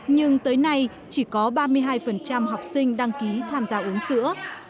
nhưng tới nay chỉ có ba mươi hai học sinh đăng ký tham gia uống sữa